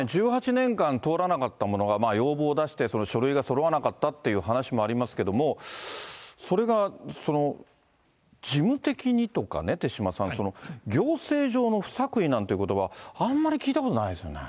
１８年間通らなかったものが、要望を出して、書類がそろわなかったっていう話もありますけども、それが、事務的にとかね、手嶋さん、行政上の不作為なんてことば、あんまり聞いたことないですよね。